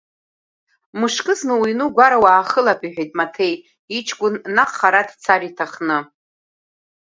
Мышкызны уҩны-угәара уахылап, — иҳәеит Маҭеи, иҷкәын наҟ хара дцар иҭахны.